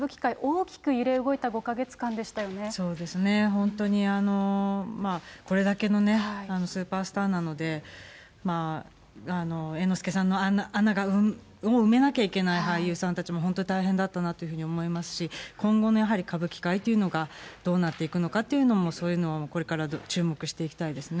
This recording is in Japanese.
本当にこれだけのね、スーパースターなので、猿之助さんの穴を埋めなきゃいけない俳優さんたちも本当大変だったなというふうに思いますし、今後のやはり歌舞伎界というのがどうなっていくのかっていうのも、そういうのもこれから注目していきたいですね。